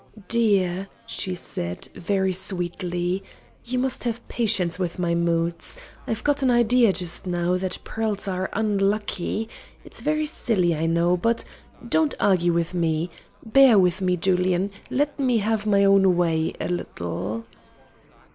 "Dear," she said, very sweetly, "you must have patience with my moods. I've got an idea, just now, that pearls are unlucky. It's very silly, I know, but don't argue with me. Bear with me, Julian, let me have my own way a little."